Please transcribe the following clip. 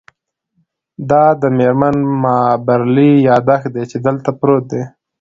دا د میرمن مابرلي یادښت دی چې دلته پروت دی